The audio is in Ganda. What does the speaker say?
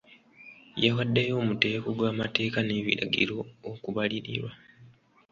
Yawaddeyo omuteeko gw'amateeka n'ebiragiro okubalirirwa.